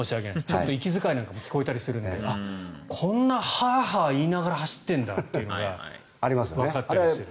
息遣いなんかも聞こえたりするのであ、こんなハアハア言いながら走ってるんだというのがわかったりする。